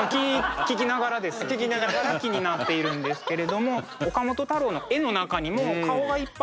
聞きながら気になっているんですけれども岡本太郎の絵の中にも顔がいっぱい出てくるので。